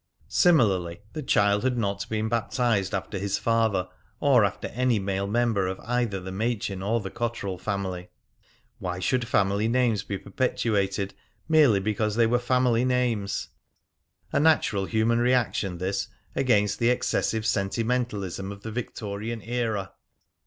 Similarly, the child had not been baptised after his father, or after any male member of either the Machin or the Cotterill family. Why should family names be perpetuated merely because they were family names? A natural human reaction, this, against the excessive sentimentalism of the Victorian era!